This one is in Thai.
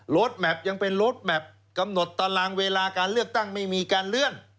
แมพยังเป็นรถแมพกำหนดตารางเวลาการเลือกตั้งไม่มีการเลื่อน